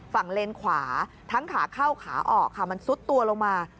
เลนขวาทั้งขาเข้าขาออกค่ะมันซุดตัวลงมา